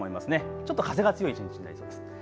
ちょっと風が強い一日になりそうです。